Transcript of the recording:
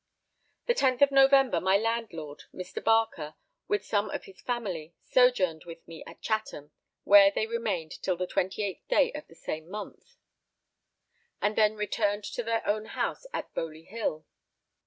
The 10th of November my landlord Mr. Barker, with some of his family, sojourned with me at Chatham, where they remained till the 28th day of the same month, and then returned to their own house at Boley Hill.